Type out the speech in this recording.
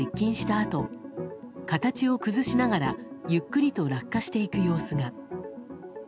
あと形を崩しながらゆっくりと落下していく様子が。